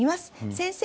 先生